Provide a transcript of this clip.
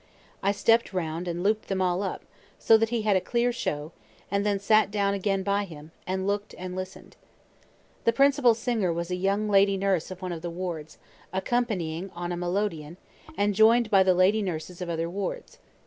I stept round and loop'd them all up, so that he had a clear show, and then sat down again by him, and look'd and listen'd. The principal singer was a young lady nurse of one of the wards, accompanying on a melodeon, and join'd by the lady nurses of other wards.